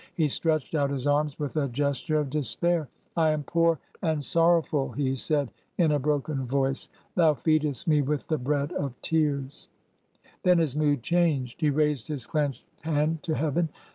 He stretched out his arms with a gesture of despair. ' I am poor and sorrowful,' " he said in a broken voice. ^ Thou feedest me with the bread of tears.' " THE SACK OF KESWICK 285 Then his mood changed. He raised his clenched hand to heaven.